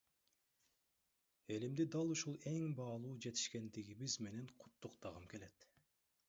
Элимди дал ушул эң баалуу жетишкендигибиз менен куттуктагым келет!